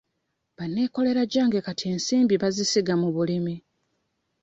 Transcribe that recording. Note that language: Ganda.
Banneekoleragyange kati ensimbibazisiga mu bulimi.